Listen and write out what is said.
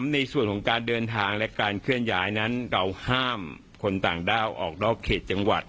ในส่วนของการเดินทางและการเคลื่อนย้ายนั้นเราห้ามคนต่างด้าวออกนอกเขตจังหวัด